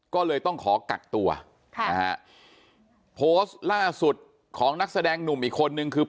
ก็เลยต้องขอกักตัวค่ะนะฮะโพสต์ล่าสุดของนักแสดงหนุ่มอีกคนนึงคือ